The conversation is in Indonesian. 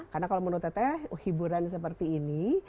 karena kalau menurut teh hiburan seperti ini